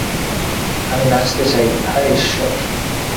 আমি নাচতে চাই, হায় ইশ্বর!